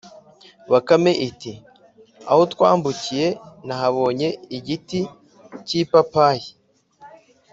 bakame iti: “aho twambukiye, nahabonye igiti k’ipapayi